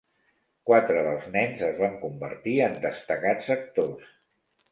Quatre dels nens es van convertir en destacats actors.